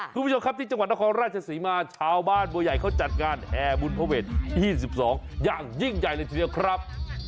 คุณผู้ชมครับที่จังหวัดนครราชศรีมาชาวบ้านบัวใหญ่เขาจัดงานแห่บุญพระเวท๒๒อย่างยิ่งใหญ่เลยทีเดียวครับ